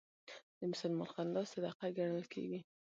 د مسلمان خندا صدقه ګڼل کېږي.